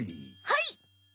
はい。